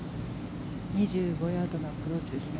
２５ヤードのアプローチですね。